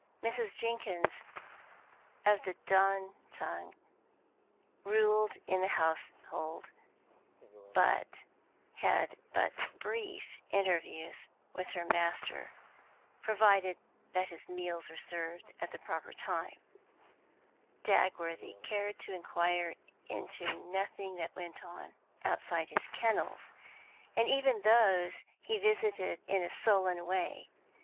Mrs. Jenkins, of the Done tongue, ruled in the household, and had but brief interviews with her master; provided that his meals were served at the proper time, Dagworthy cared to inquire into nothing that went on outside his kennels and even those he visited in a sullen way.